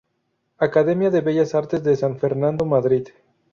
Academia de Bellas Artes de San Fernando, Madrid.